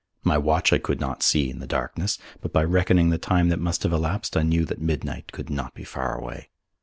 My watch I could not see in the darkness, but by reckoning the time that must have elapsed I knew that midnight could not be far away.